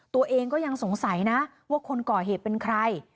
ตัวเองก็ยังสงสัยนะว่าคนก่อเหตุเป็นใคร